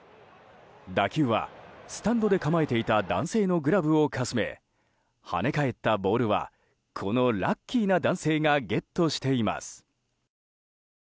打球はスタンドで構えていた男性のグラブをかすめ跳ね返ったボールはこのラッキーな男性がゲットしています。